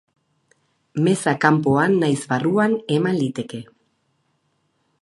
Meza kanpoan naiz barruan eman liteke.